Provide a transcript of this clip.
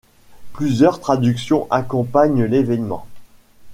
Plusieurs traductions accompagnent l'évènement.